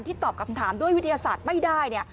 ที่ตอบคำถามด้วยวิทยาศาสตร์ไม่ได้